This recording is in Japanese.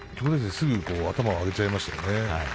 すぐ頭を上げてしまいましたね。